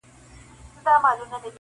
• هغه شین سترګی مرشد -